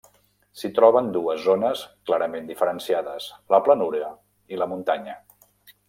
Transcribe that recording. S'hi troben dues zones clarament diferenciades: la planura i la muntanya.